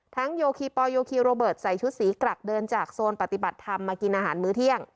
โยคีปอลโยคีโรเบิร์ตใส่ชุดสีกรักเดินจากโซนปฏิบัติธรรมมากินอาหารมื้อเที่ยง